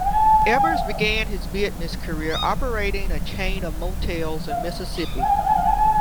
Ebbers began his business career operating a chain of motels in Mississippi.